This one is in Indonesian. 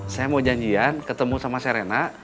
saya mau janjian ketemu sama serena